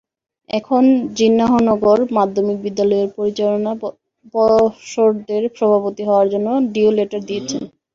এখন জিন্নাহনগর মাধ্যমিক বিদ্যালয়ের পরিচালনা পর্ষদের সভাপতি হওয়ার জন্য ডিও লেটার দিয়েছেন।